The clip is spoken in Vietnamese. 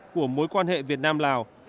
của mối quan hệ việt nam lào